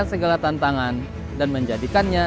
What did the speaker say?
terima kasih anda baru saja menyaksikan